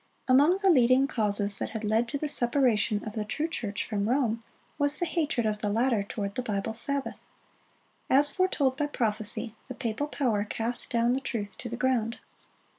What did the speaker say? Among the leading causes that had led to the separation of the true church from Rome, was the hatred of the latter toward the Bible Sabbath. As foretold by prophecy, the papal power cast down the truth to the ground.